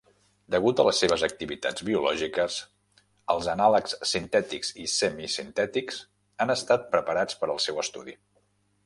Degut a les seves activitats biològiques, els anàlegs sintètics i semi sintètics han estat preparats per al seu estudi.